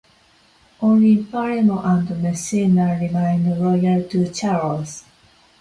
Only Palermo and Messina remained loyal to Charles.